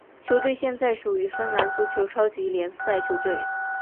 球队现在属于芬兰足球超级联赛球队。